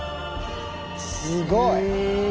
すごい！